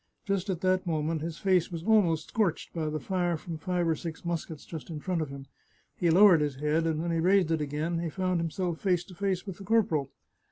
Just at that mo ment his face was almost scorched by the fire from five or six muskets just in front of him. He lowered his head, and when he raised it again he found himself face to face with the corporal.